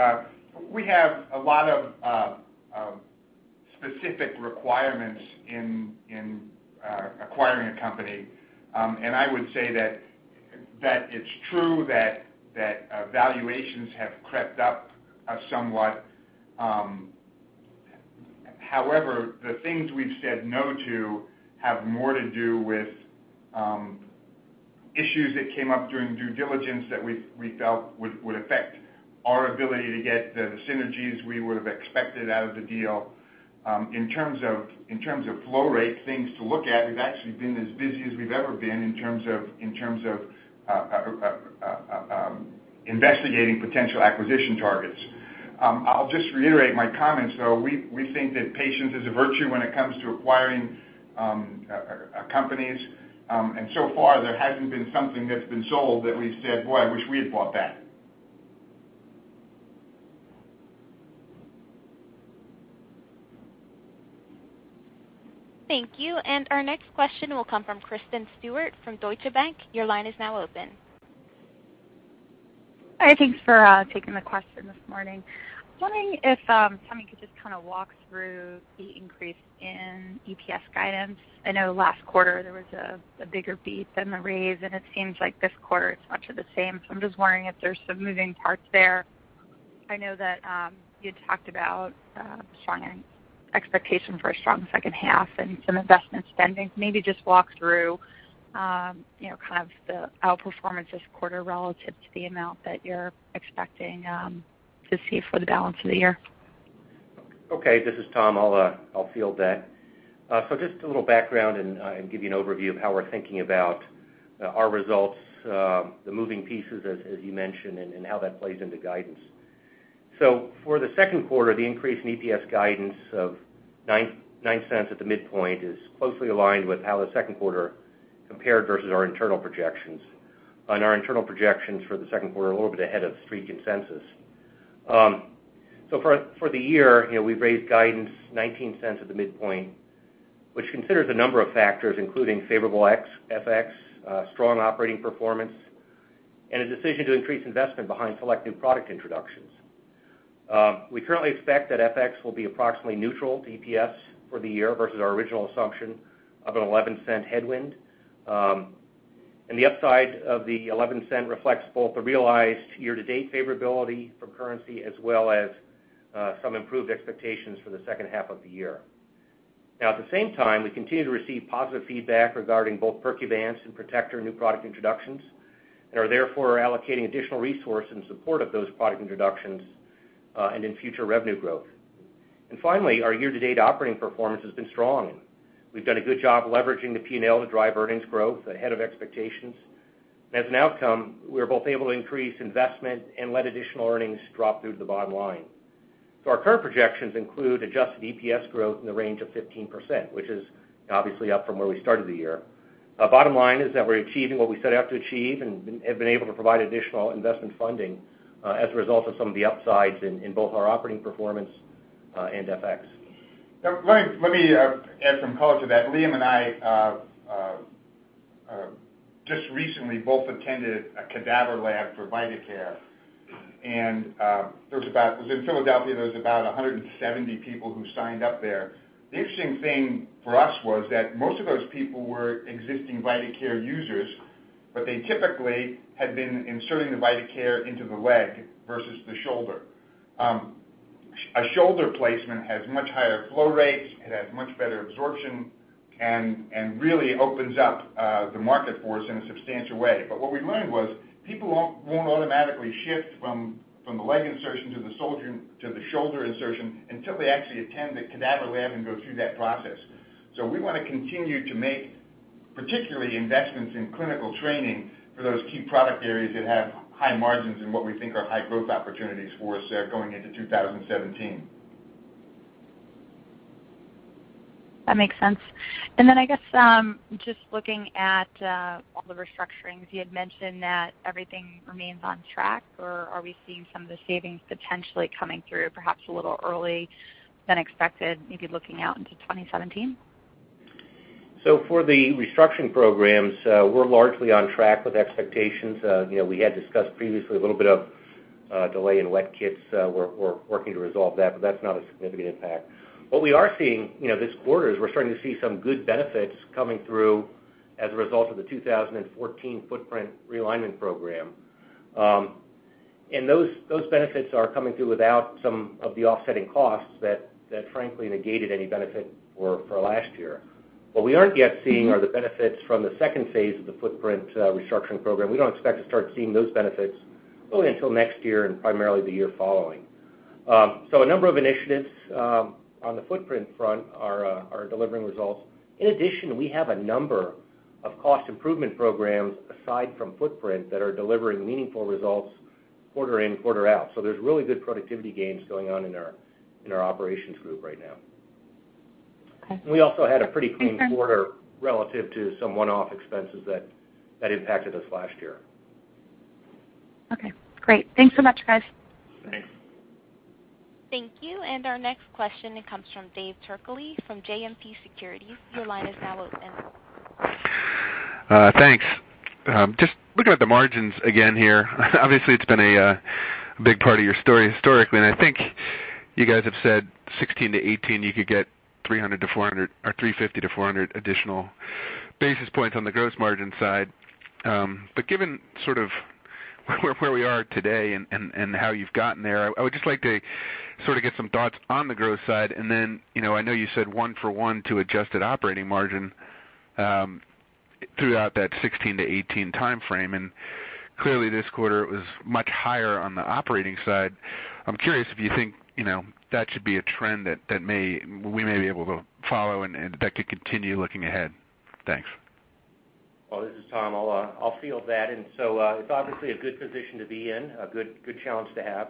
We have a lot of specific requirements in acquiring a company, I would say that it's true that valuations have crept up somewhat. However, the things we've said no to have more to do with issues that came up during due diligence that we felt would affect our ability to get the synergies we would have expected out of the deal. In terms of flow rate things to look at, we've actually been as busy as we've ever been in terms of investigating potential acquisition targets. I'll just reiterate my comments, though. We think that patience is a virtue when it comes to acquiring companies. So far, there hasn't been something that's been sold that we've said, "Boy, I wish we had bought that. Thank you. Our next question will come from Kristen Stewart from Deutsche Bank. Your line is now open. Hi, thanks for taking the question this morning. I was wondering if somebody could just kind of walk through the increase in EPS guidance. I know last quarter there was a bigger beat than the raise, and it seems like this quarter it's much of the same. I'm just wondering if there's some moving parts there. I know that you had talked about expectation for a strong second half and some investment spending. Maybe just walk through kind of the outperformance this quarter relative to the amount that you're expecting to see for the balance of the year. Okay. This is Tom. I'll field that. Just a little background and give you an overview of how we're thinking about our results, the moving pieces, as you mentioned, and how that plays into guidance. For the second quarter, the increase in EPS guidance of $0.09 at the midpoint is closely aligned with how the second quarter compared versus our internal projections. Our internal projections for the second quarter are a little bit ahead of Street consensus. For the year, we've raised guidance $0.19 at the midpoint, which considers a number of factors, including favorable FX, strong operating performance, and a decision to increase investment behind select new product introductions. We currently expect that FX will be approximately neutral to EPS for the year versus our original assumption of an $0.11 headwind. The upside of the $0.11 reflects both the realized year-to-date favorability for currency as well as some improved expectations for the second half of the year. At the same time, we continue to receive positive feedback regarding both Percuvance and LMA Protector new product introductions and are therefore allocating additional resource in support of those product introductions and in future revenue growth. Finally, our year-to-date operating performance has been strong. We've done a good job leveraging the P&L to drive earnings growth ahead of expectations. As an outcome, we are both able to increase investment and let additional earnings drop through to the bottom line. Our current projections include adjusted EPS growth in the range of 15%, which is obviously up from where we started the year. Bottom line is that we're achieving what we set out to achieve and have been able to provide additional investment funding as a result of some of the upsides in both our operating performance and FX. Let me add some color to that. Liam and I just recently both attended a cadaver lab for Vidacare. It was in Philadelphia, there was about 170 people who signed up there. The interesting thing for us was that most of those people were existing Vidacare users, but they typically had been inserting the Vidacare into the leg versus the shoulder. A shoulder placement has much higher flow rates, it has much better absorption, and really opens up the market for us in a substantial way. What we learned was people won't automatically shift from the leg insertion to the shoulder insertion until they actually attend the cadaver lab and go through that process. We want to continue to make particularly investments in clinical training for those key product areas that have high margins and what we think are high growth opportunities for us there going into 2017. That makes sense. I guess just looking at all the restructurings, you had mentioned that everything remains on track, or are we seeing some of the savings potentially coming through perhaps a little early than expected, maybe looking out into 2017? For the restructuring programs, we're largely on track with expectations. We had discussed previously a little bit of a delay in Weck kits. We're working to resolve that, but that's not a significant impact. What we are seeing this quarter is we're starting to see some good benefits coming through as a result of the 2014 Footprint Realignment Program. Those benefits are coming through without some of the offsetting costs that frankly negated any benefit for last year. What we aren't yet seeing are the benefits from the phase II of the Footprint Restructuring Program. We don't expect to start seeing those benefits really until next year and primarily the year following. A number of initiatives on the footprint front are delivering results. In addition, we have a number of cost improvement programs aside from footprint that are delivering meaningful results quarter in, quarter out. There's really good productivity gains going on in our operations group right now. Okay. We also had a pretty clean quarter relative to some one-off expenses that impacted us last year. Okay, great. Thanks so much, guys. Okay. Thank you. Our next question comes from Dave Turkaly from JMP Securities. Your line is now open. Thanks. Just looking at the margins again here. Obviously, it has been a big part of your story historically, and I think you guys have said 2016 to 2018, you could get 350 to 400 additional basis points on the gross margin side. Given sort of where we are today and how you have gotten there, I would just like to sort of get some thoughts on the gross side. Then, I know you said one for one to adjusted operating margin throughout that 2016 to 2018 timeframe, and clearly this quarter it was much higher on the operating side. I am curious if you think that should be a trend that we may be able to follow and that could continue looking ahead. Thanks. Well, this is Tom. I will field that. It is obviously a good position to be in, a good challenge to have.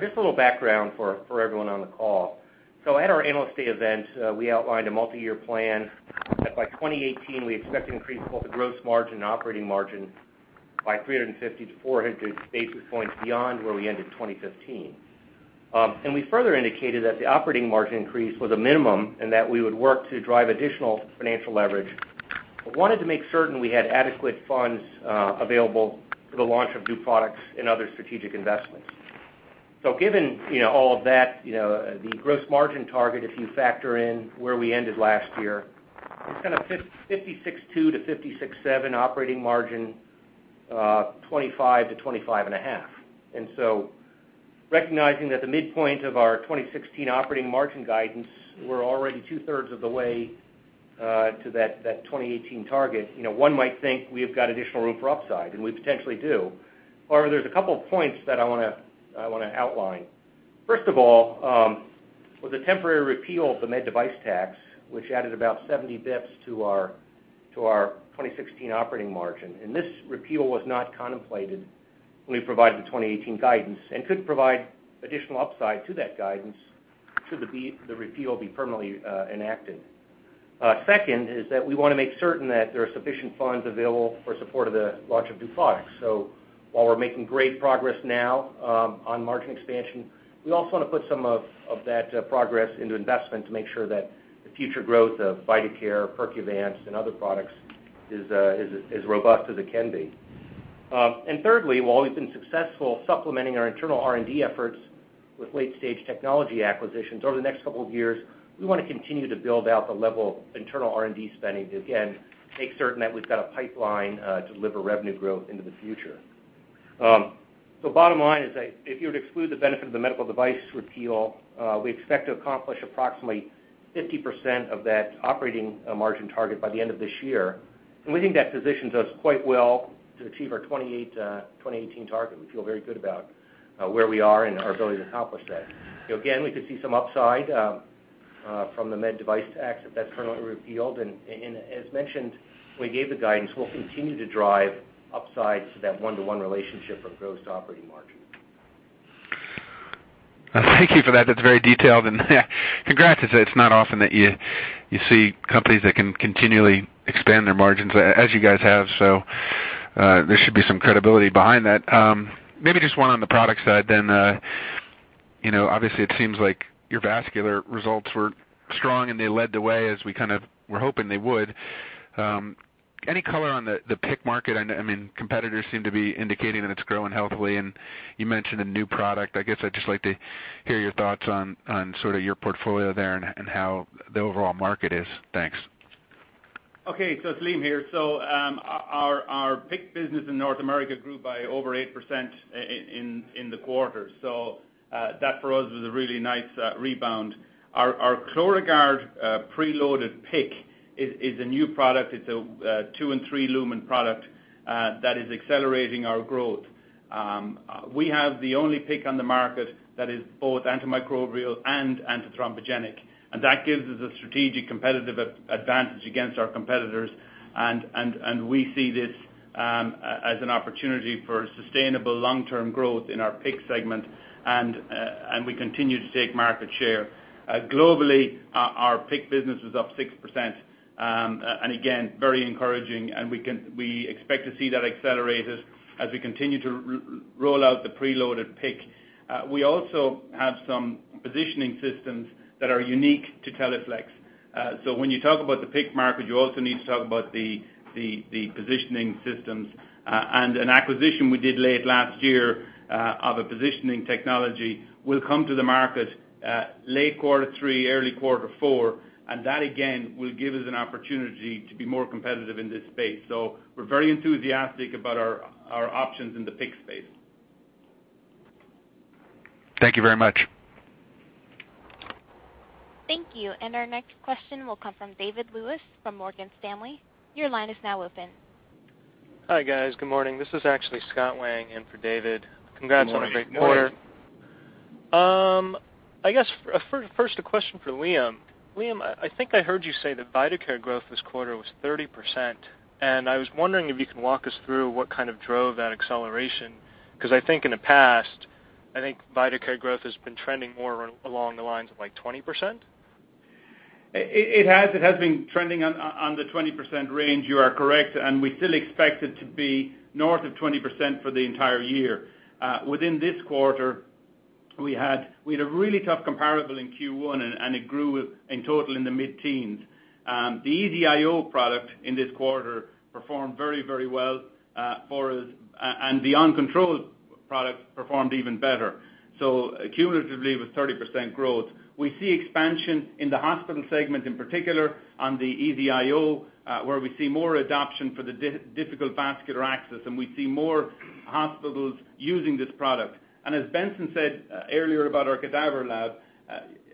Just a little background for everyone on the call. At our Analyst Day event, we outlined a multi-year plan that by 2018 we expect to increase both the gross margin and operating margin by 350 to 400 basis points beyond where we ended 2015. We further indicated that the operating margin increase was a minimum and that we would work to drive additional financial leverage, but wanted to make certain we had adequate funds available for the launch of new products and other strategic investments. Given all of that, the gross margin target, if you factor in where we ended last year, it is kind of 56.2 to 56.7 operating margin, 25 to 25 and a half. Recognizing that the midpoint of our 2016 operating margin guidance, we are already two-thirds of the way to that 2018 target. One might think we have got additional room for upside, and we potentially do. However, there is a couple points that I want to outline. First of all, with the temporary repeal of the med device tax, which added about 70 basis points to our 2016 operating margin. This repeal was not contemplated when we provided the 2018 guidance and could provide additional upside to that guidance should the repeal be permanently enacted. Second is that we want to make certain that there are sufficient funds available for support of the launch of new products. While we're making great progress now on margin expansion, we also want to put some of that progress into investment to make sure that the future growth of Vidacare, Percuvance, and other products is as robust as it can be. Thirdly, while we've been successful supplementing our internal R&D efforts with late-stage technology acquisitions, over the next couple of years, we want to continue to build out the level of internal R&D spending to, again, make certain that we've got a pipeline to deliver revenue growth into the future. Bottom line is that if you were to exclude the benefit of the medical device repeal, we expect to accomplish approximately 50% of that operating margin target by the end of this year. We think that positions us quite well to achieve our 2018 target. We feel very good about where we are and our ability to accomplish that. Again, we could see some upside from the med device tax if that's permanently repealed. As mentioned when we gave the guidance, we'll continue to drive upsides to that one-to-one relationship of gross operating margin. Thank you for that. That's very detailed, and congrats. It's not often that you see companies that can continually expand their margins as you guys have. There should be some credibility behind that. Maybe just one on the product side then. Obviously, it seems like your vascular results were strong, and they led the way as we kind of were hoping they would. Any color on the PICC market? I mean, competitors seem to be indicating that it's growing healthily, and you mentioned a new product. I guess I'd just like to hear your thoughts on sort of your portfolio there and how the overall market is. Thanks. Okay, it's Liam here. Our PICC business in North America grew by over 8% in the quarter. That for us was a really nice rebound. Our ChloraGuard preloaded PICC is a new product. It's a two and three lumen product that is accelerating our growth. We have the only PICC on the market that is both antimicrobial and antithrombogenic, that gives us a strategic competitive advantage against our competitors, we see this as an opportunity for sustainable long-term growth in our PICC segment, and we continue to take market share. Globally, our PICC business was up 6%, again, very encouraging, and we expect to see that accelerated as we continue to roll out the preloaded PICC. We also have some positioning systems that are unique to Teleflex. When you talk about the PICC market, you also need to talk about the positioning systems. An acquisition we did late last year of a positioning technology will come to the market late quarter three, early quarter four, and that again will give us an opportunity to be more competitive in this space. So we're very enthusiastic about our options in the PICC space. Thank you very much. Thank you. Our next question will come from David Lewis from Morgan Stanley. Your line is now open. Hi, guys. Good morning. This is actually Scott Wang in for David. Good morning. Congrats on a great quarter. First, a question for Liam. Liam, I think I heard you say that Vidacare growth this quarter was 30%, and I was wondering if you can walk us through what kind of drove that acceleration, because I think in the past, Vidacare growth has been trending more along the lines of 20%? It has been trending on the 20% range, you are correct. We still expect it to be north of 20% for the entire year. Within this quarter, we had a really tough comparable in Q1. It grew in total in the mid-teens. The EZ-IO product in this quarter performed very well, and the OnControl product performed even better. Cumulatively it was 30% growth. We see expansion in the hospital segment, in particular on the EZ-IO, where we see more adoption for the difficult vascular access. We see more hospitals using this product. As Benson said earlier about our cadaver lab,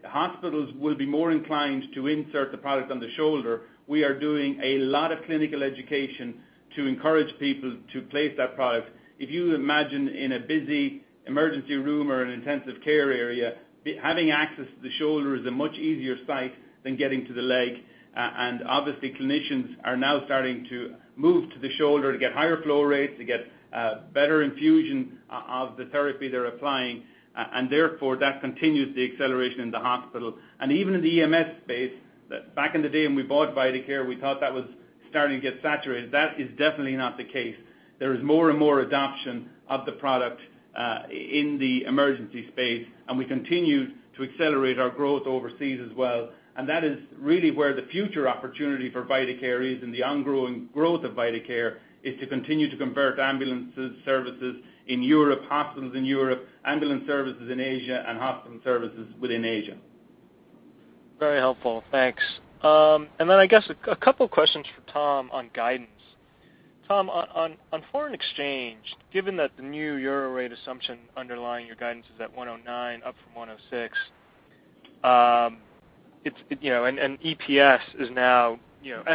hospitals will be more inclined to insert the product on the shoulder. We are doing a lot of clinical education to encourage people to place that product. If you imagine in a busy emergency room or an intensive care area, having access to the shoulder is a much easier site than getting to the leg. Obviously, clinicians are now starting to move to the shoulder to get higher flow rates, to get better infusion of the therapy they're applying. Therefore that continues the acceleration in the hospital. Even in the EMS space, back in the day when we bought Vidacare, we thought that was starting to get saturated. That is definitely not the case. There is more and more adoption of the product in the emergency space. We continue to accelerate our growth overseas as well. That is really where the future opportunity for Vidacare is, and the ongoing growth of Vidacare is to continue to convert ambulance services in Europe, hospitals in Europe, ambulance services in Asia, and hospital services within Asia. Very helpful. Thanks. I guess a couple questions for Tom on guidance. Tom, on foreign exchange, given that the new Euro rate assumption underlying your guidance is at 109 up from 106, and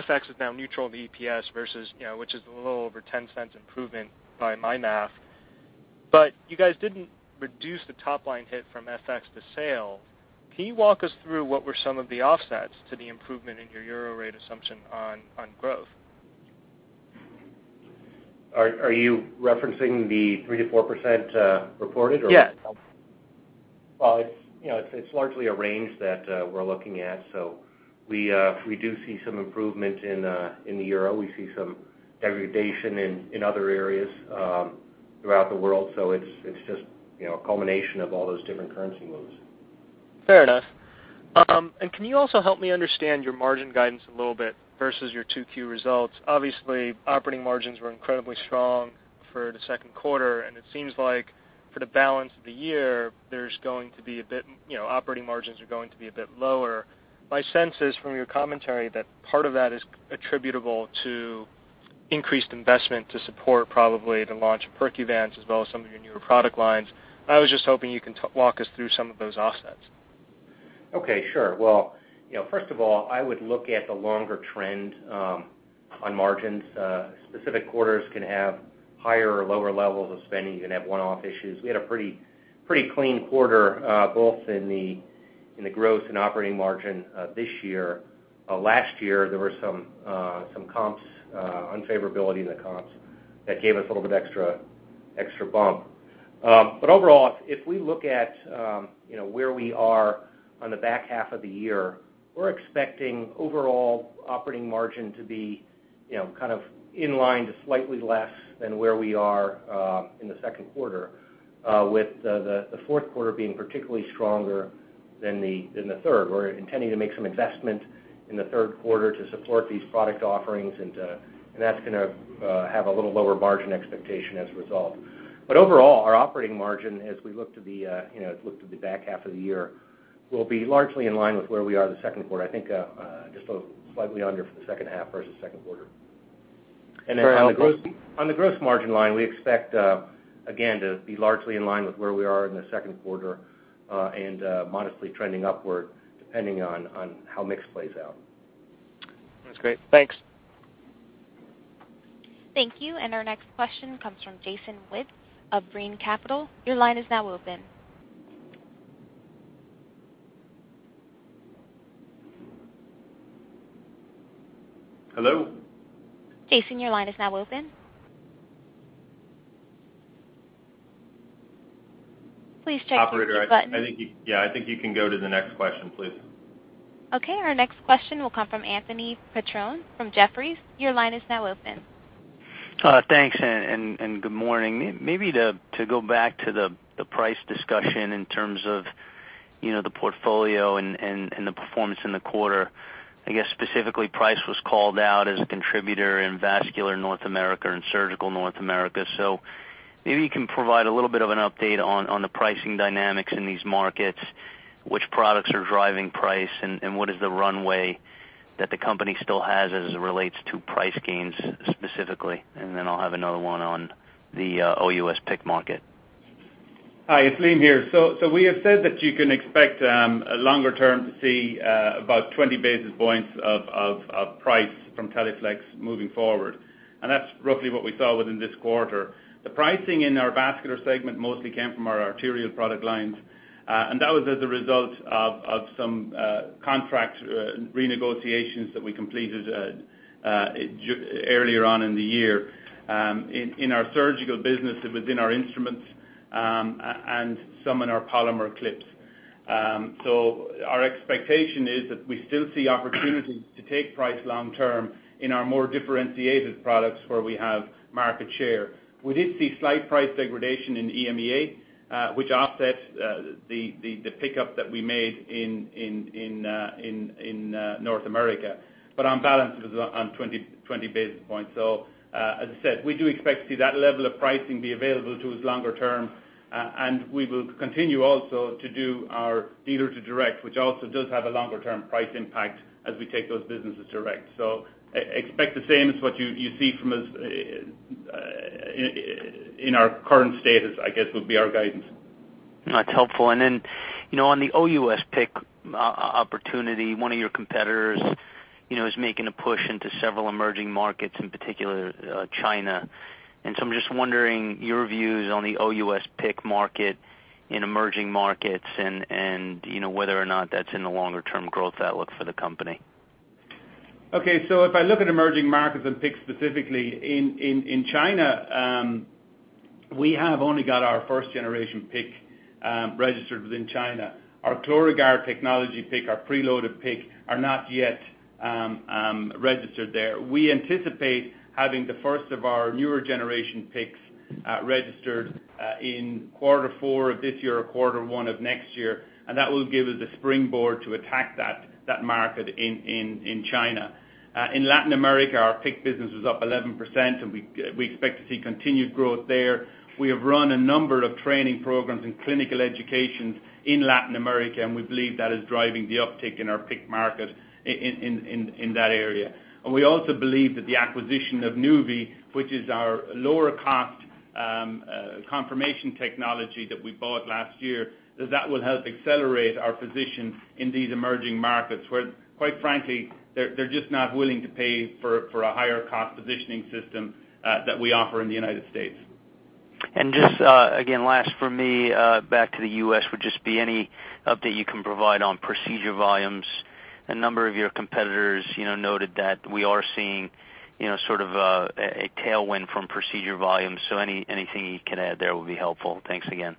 FX is now neutral to EPS versus, which is a little over $0.10 improvement by my math. You guys didn't reduce the top-line hit from FX to sale. Can you walk us through what were some of the offsets to the improvement in your Euro rate assumption on growth? Are you referencing the 3%-4% reported or- Yes. Well, it's largely a range that we're looking at. We do see some improvement in the Euro. We see some degradation in other areas throughout the world. It's just a culmination of all those different currency moves. Fair enough. Can you also help me understand your margin guidance a little bit versus your 2Q results? Obviously, operating margins were incredibly strong for the second quarter, and it seems like for the balance of the year, operating margins are going to be a bit lower. My sense is, from your commentary, that part of that is attributable to increased investment to support probably the launch of Percuvance as well as some of your newer product lines. I was just hoping you can walk us through some of those offsets. Okay, sure. Well, first of all, I would look at the longer trend on margins. Specific quarters can have higher or lower levels of spending. You can have one-off issues. We had a pretty clean quarter both in the growth and operating margin this year. Last year, there were some unfavorability in the comps that gave us a little bit of extra bump. Overall, if we look at where we are on the back half of the year, we're expecting overall operating margin to be kind of in line to slightly less than where we are in the second quarter, with the fourth quarter being particularly stronger than the third. We're intending to make some investment in the third quarter to support these product offerings, and that's going to have a little lower margin expectation as a result. Overall, our operating margin, as we look to the back half of the year, will be largely in line with where we are in the second quarter. I think just slightly under for the second half versus second quarter. Fair enough. On the gross margin line, we expect, again, to be largely in line with where we are in the second quarter, and modestly trending upward depending on how mix plays out. That's great. Thanks. Thank you. Our next question comes from Jason Wittes of Brean Capital. Your line is now open. Hello? Jason, your line is now open. Please check your mute button. Operator, I think you can go to the next question, please. Okay, our next question will come from Anthony Petrone from Jefferies. Your line is now open. Thanks. Good morning. Maybe to go back to the price discussion in terms of the portfolio and the performance in the quarter. I guess specifically price was called out as a contributor in Vascular North America and Surgical North America. Maybe you can provide a little bit of an update on the pricing dynamics in these markets, which products are driving price, and what is the runway that the company still has as it relates to price gains specifically? Then I'll have another one on the OUS PIC market. Hi, it's Liam here. We have said that you can expect longer term to see about 20 basis points of price from Teleflex moving forward. That's roughly what we saw within this quarter. The pricing in our vascular segment mostly came from our arterial product lines. That was as a result of some contract renegotiations that we completed earlier on in the year in our surgical business and within our instruments, and some in our polymer clips. Our expectation is that we still see opportunities to take price long term in our more differentiated products where we have market share. We did see slight price degradation in EMEA, which offsets the pickup that we made in North America. On balance, it was on 20 basis points. As I said, we do expect to see that level of pricing be available to us longer term. We will continue also to do our dealer to direct, which also does have a longer-term price impact as we take those businesses direct. Expect the same as what you see from us in our current status, I guess, would be our guidance. That's helpful. On the OUS PIC opportunity, one of your competitors is making a push into several emerging markets, in particular China. I'm just wondering your views on the OUS PIC market in emerging markets and whether or not that's in the longer-term growth outlook for the company. If I look at emerging markets and PIC specifically in China, we have only got our first generation PIC registered within China. Our Chlorag+ard technology PIC, our preloaded PIC, are not yet registered there. We anticipate having the first of our newer generation PICs registered in quarter four of this year or quarter one of next year, that will give us a springboard to attack that market in China. In Latin America, our PIC business was up 11%. We expect to see continued growth there. We have run a number of training programs in clinical education in Latin America, we believe that is driving the uptick in our PIC market in that area. We also believe that the acquisition of, which is our lower cost confirmation technology that we bought last year, that will help accelerate our position in these emerging markets, where quite frankly, they're just not willing to pay for a higher cost positioning system that we offer in the United States. Just again, last from me, back to the U.S., would just be any update you can provide on procedure volumes. A number of your competitors noted that we are seeing sort of a tailwind from procedure volumes, anything you can add there would be helpful. Thanks again.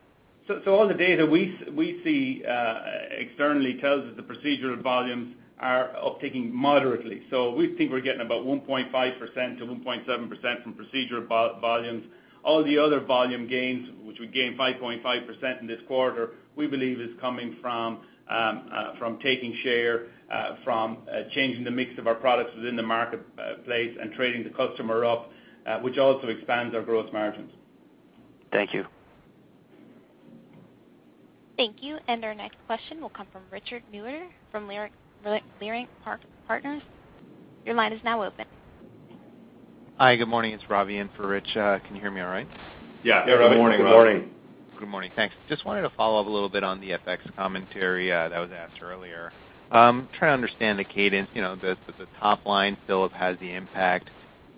All the data we see externally tells us the procedural volumes are upticking moderately. We think we're getting about 1.5%-1.7% from procedural volumes. All the other volume gains, which we gained 5.5% in this quarter, we believe is coming from taking share, from changing the mix of our products within the marketplace and trading the customer up, which also expands our growth margins. Thank you. Thank you. Our next question will come from Richard Miller from Leerink Partners. Your line is now open. Hi. Good morning. It's Ravi in for Rich. Can you hear me all right? Yeah. Yeah, Ravi. Good morning. Good morning. Thanks. Just wanted to follow up a little bit on the FX commentary that was asked earlier. I'm trying to understand the cadence. The top line still has the impact,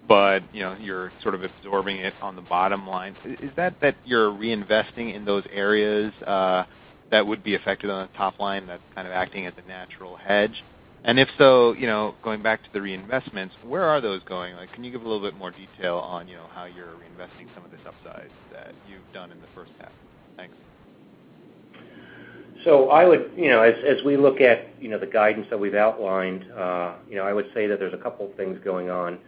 but you're sort of absorbing it on the bottom line. Is that you're reinvesting in those areas that would be affected on the top line, that's kind of acting as a natural hedge? If so, going back to the reinvestments, where are those going? Can you give a little bit more detail on how you're reinvesting some of this upside that you've done in the first half? Thanks. As we look at the guidance that we've outlined, I would say that there's a couple of things going on.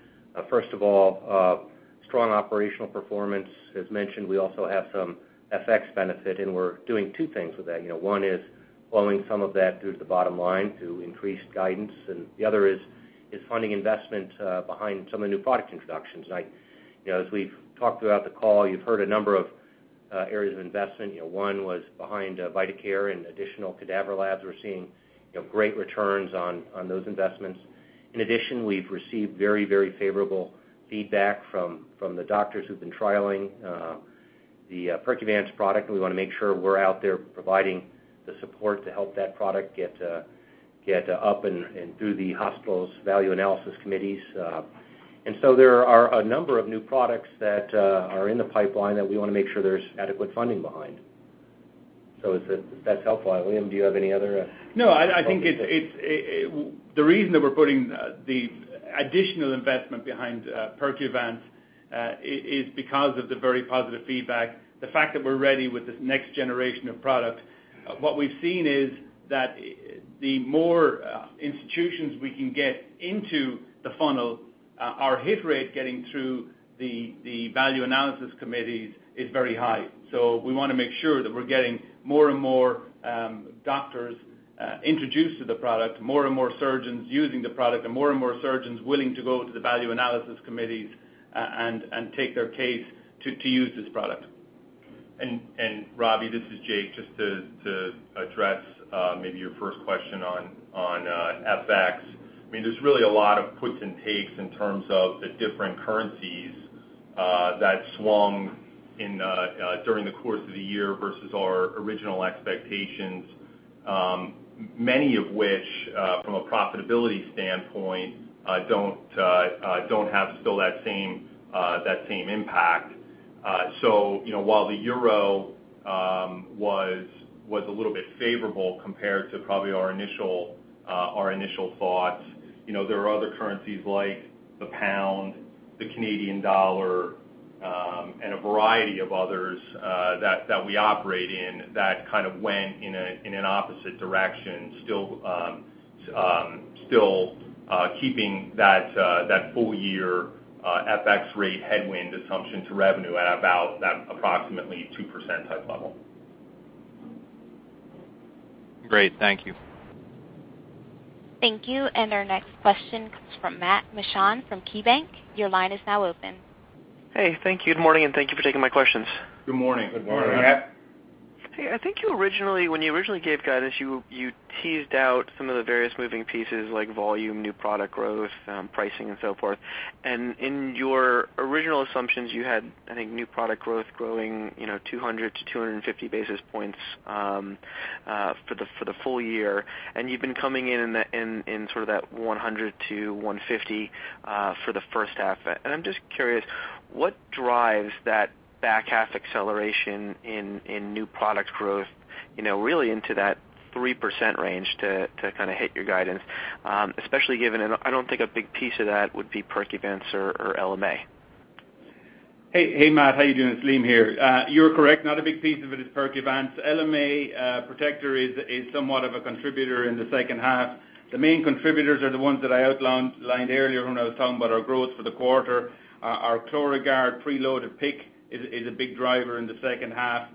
First of all, strong operational performance. As mentioned, we also have some FX benefit, and we're doing two things with that. One is flowing some of that through to the bottom line to increase guidance, and the other is funding investment behind some of the new product introductions. As we've talked throughout the call, you've heard a number of areas of investment. One was behind Vidacare and additional cadaver labs. We're seeing great returns on those investments. In addition, we've received very favorable feedback from the doctors who've been trialing the Percuvance product, and we want to make sure we're out there providing the support to help that product get up and through the hospital's value analysis committees. There are a number of new products that are in the pipeline that we want to make sure there's adequate funding behind. If that's helpful. Liam, do you have any other No, I think the reason that we're putting the additional investment behind Percuvance is because of the very positive feedback, the fact that we're ready with this next generation of product. What we've seen is that the more institutions we can get into the funnel, our hit rate getting through the value analysis committees is very high. We want to make sure that we're getting more and more doctors introduced to the product, more and more surgeons using the product, and more and more surgeons willing to go to the value analysis committees and take their case to use this product. Ravi, this is Jake, just to address maybe your first question on FX. I mean, there's really a lot of puts and takes in terms of the different currencies that swung during the course of the year versus our original expectations. Many of which, from a profitability standpoint, don't have still that same impact. While the euro was a little bit favorable compared to probably our initial thoughts, there are other currencies like the pound, the Canadian dollar, and a variety of others that we operate in that kind of went in an opposite direction, still keeping that full-year FX rate headwind assumption to revenue at about that approximately 2% type level. Great. Thank you. Thank you. Our next question comes from Matt Mishan from KeyBanc. Your line is now open. Hey, thank you. Good morning, and thank you for taking my questions. Good morning. Good morning. I think when you originally gave guidance, you teased out some of the various moving pieces like volume, new product growth, pricing, and so forth. In your original assumptions, you had, I think, new product growth growing 200-250 basis points for the full year. You've been coming in in sort of that 100-150 for the first half. I'm just curious, what drives that back half acceleration in new product growth really into that 3% range to kind of hit your guidance, especially given, I don't think a big piece of that would be Percuvance or LMA? Hey, Matt. How you doing? It's Liam here. You're correct, not a big piece of it is Percuvance. LMA Protector is somewhat of a contributor in the second half. The main contributors are the ones that I outlined earlier when I was talking about our growth for the quarter. Our Chlorag+ard preloaded PICC is a big driver in the second half.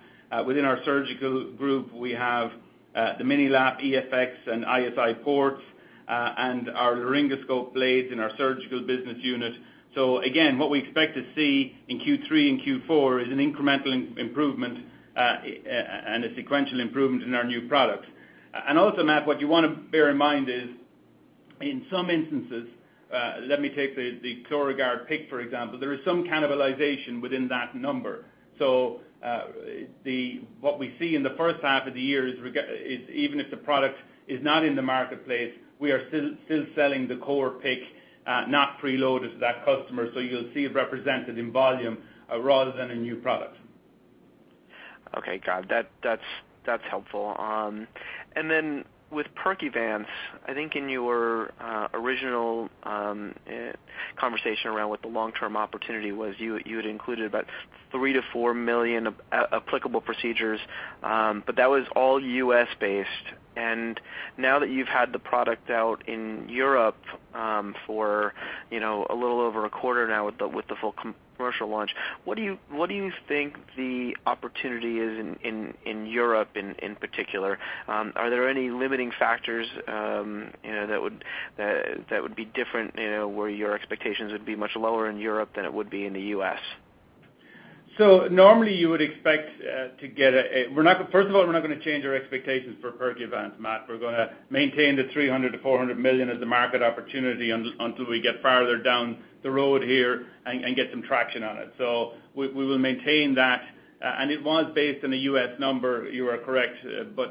Within our surgical group, we have the MiniLap EFx and ISI ports, and our laryngoscope blades in our surgical business unit. Again, what we expect to see in Q3 and Q4 is an incremental improvement and a sequential improvement in our new products. Also, Matt, what you want to bear in mind is, in some instances, let me take the Chlorag+ard PICC, for example. There is some cannibalization within that number. What we see in the first half of the year is, even if the product is not in the marketplace, we are still selling the core PICC, not preloaded to that customer. You'll see it represented in volume rather than a new product. Okay, got it. That's helpful. With Percuvance, I think in your original conversation around what the long-term opportunity was, you had included about 3 million to 4 million applicable procedures. That was all U.S.-based. Now that you've had the product out in Europe for a little over a quarter now with the full commercial launch, what do you think the opportunity is in Europe in particular? Are there any limiting factors that would be different, where your expectations would be much lower in Europe than it would be in the U.S.? Normally, you would expect to get. We're not going to change our expectations for Percuvance, Matt. We're going to maintain the 300 million to 400 million as the market opportunity until we get farther down the road here and get some traction on it. We will maintain that, it was based on a U.S. number, you are correct.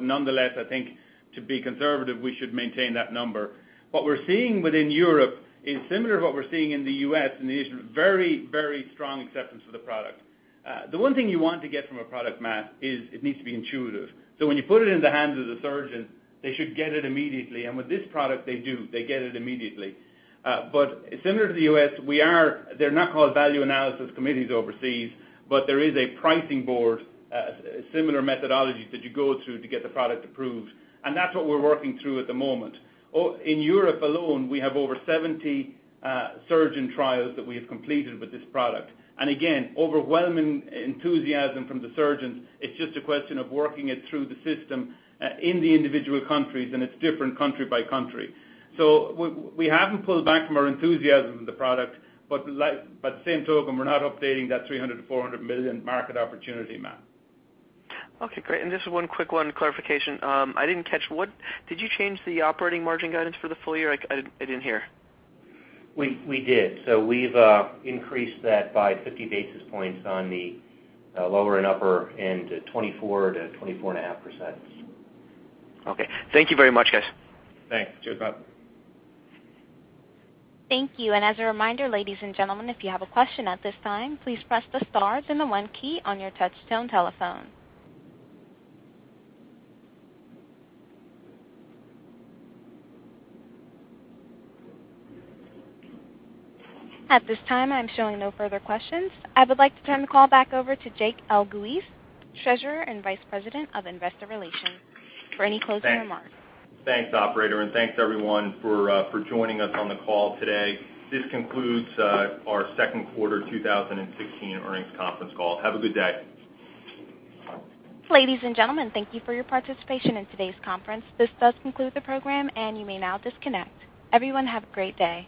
Nonetheless, I think to be conservative, we should maintain that number. What we're seeing within Europe is similar to what we're seeing in the U.S., it is very strong acceptance of the product. The one thing you want to get from a product, Matt, is it needs to be intuitive. When you put it in the hands of the surgeon, they should get it immediately. With this product, they do. They get it immediately. Similar to the U.S., they're not called value analysis committees overseas, there is a pricing board, similar methodologies that you go through to get the product approved. That's what we're working through at the moment. In Europe alone, we have over 70 surgeon trials that we have completed with this product. Again, overwhelming enthusiasm from the surgeons. It's just a question of working it through the system in the individual countries, it's different country by country. We haven't pulled back from our enthusiasm for the product, by the same token, we're not updating that 300 million to 400 million market opportunity, Matt. Okay, great. Just one quick one, clarification. I didn't catch, did you change the operating margin guidance for the full year? I didn't hear. We did. We've increased that by 50 basis points on the lower and upper end to 24%-24.5%. Okay. Thank you very much, guys. Thanks. Cheers, Matt. Thank you. As a reminder, ladies and gentlemen, if you have a question at this time, please press the star then the one key on your touchtone telephone. At this time, I'm showing no further questions. I would like to turn the call back over to Jake Elguicze, Treasurer and Vice President of Investor Relations for any closing remarks. Thanks, operator. Thanks, everyone, for joining us on the call today. This concludes our second quarter 2016 earnings conference call. Have a good day. Ladies and gentlemen, thank you for your participation in today's conference. This does conclude the program. You may now disconnect. Everyone, have a great day.